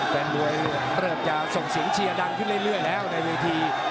แฟนมวยเริ่มจะส่งเสียงเชียร์ดังขึ้นเรื่อยแล้วในเวที